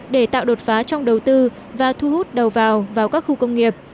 để tạo đột phá trong đầu tư và thu hút đầu vào vào các khu công nghiệp